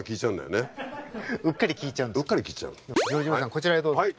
こちらへどうぞ。